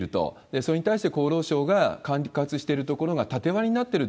それに対して、厚労省が管轄しているところが縦割りになってる。